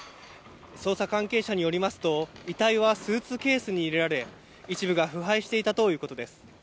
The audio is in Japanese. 捜査関係者によりますと、遺体はスーツケースに入れられ、一部が腐敗していたということです。